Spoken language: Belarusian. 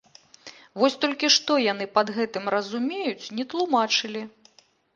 Вось толькі што яны пад гэтым разумеюць, не тлумачылі.